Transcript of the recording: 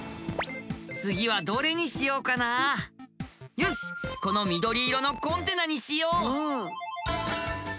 次はどれにしようかなよしこの緑色のコンテナにしよう！